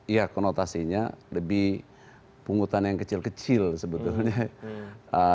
ya konotasinya lebih punggutan yang kecil kecil sebetulnya